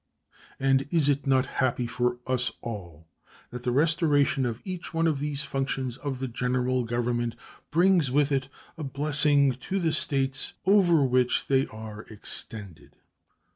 And is it not happy for us all that the restoration of each one of these functions of the General Government brings with it a blessing to the States over which they are extended?